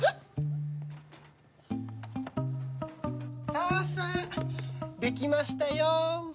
さあさあできましたよ。